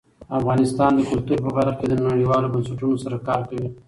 افغانستان د کلتور په برخه کې نړیوالو بنسټونو سره کار کوي.